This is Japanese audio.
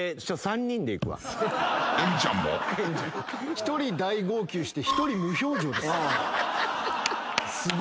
一人大号泣して一人無表情ですよ。